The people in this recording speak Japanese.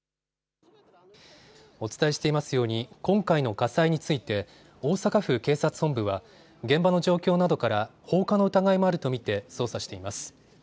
お伝えしていますように今回の火災について大阪府警察本部は現場の状況などから放火の疑いもあると見て捜査しています。